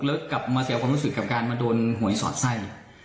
แล้วกลับมาเสียความรู้สึกกับการมาโดนหวยสอดไส้